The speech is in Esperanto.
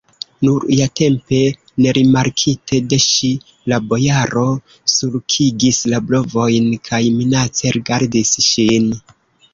Nur iatempe, nerimarkite de ŝi, la bojaro sulkigis la brovojn kaj minace rigardis ŝin.